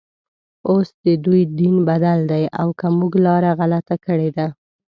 اوس ددوی دین بدل دی او که موږ لاره غلطه کړې ده.